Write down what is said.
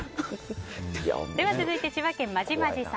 続いて千葉県の方。